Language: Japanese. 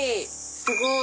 すごい。